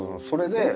それで。